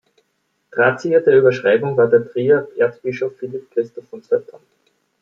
Drahtzieher der Überschreibung war der Trierer Erzbischof Philipp Christoph von Sötern.